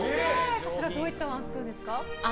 こちらどういったワンスプーンですか。